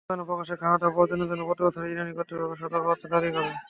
রমজানে প্রকাশ্যে খাওয়া-দাওয়া বর্জনের জন্য প্রতিবছরই ইরানি কর্তৃপক্ষ সতর্কবার্তা জারি করে।